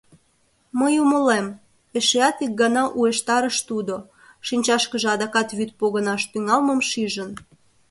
— Мый умылем, — эшеат ик гана уэштарыш тудо, шинчашкыже адакат вӱд погынаш тӱҥалмым шижын.